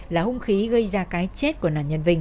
là hung khí gây ra cái chết của nạn nhân vinh